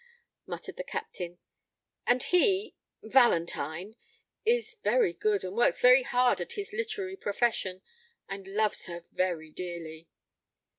muttered the Captain. "And he Valentine is very good, and works very hard at his literary profession and loves her very dearly."